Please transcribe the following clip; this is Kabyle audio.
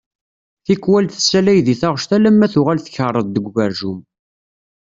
Tikwal tessalay di taɣect alamma tuɣal tkeṛṛeḍ deg ugerjum.